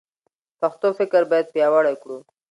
پښتو فکر باید پیاوړی کړو.